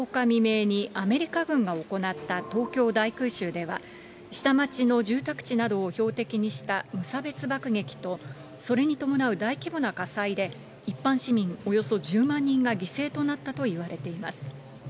未明にアメリカ軍が行った東京大空襲では、下町の住宅地などを標的にした無差別爆撃と、それに伴う大規模な火災で、一般市民およそ１０万人が犠牲となったといわれています。